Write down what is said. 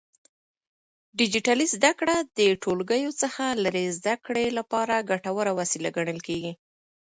ډيجيټلي زده کړه د ټولګیو څخه لرې زده کړې لپاره ګټوره وسيله ګڼل کېږي.